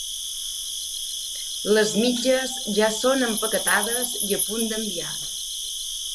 Les mitges ja són empaquetades i a punt d'enviar.